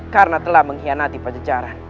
karena telah mengkhianati pancenjaran